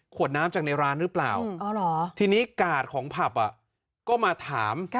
ขวดน้ำจากในร้านหรือเปล่าอ๋อหรอทีนี้กาสของผับอะก็มาถาม